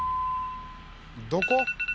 「どこ？」